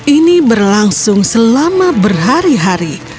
ini berlangsung selama berhari hari